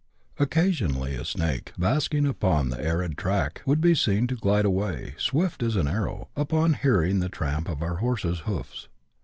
OecHsionally a snake, Inisking upon tlie arid track, would be swn to glide away, swilY as an arrow, upon ht^iring the tramp of our hoi ses' hoofs.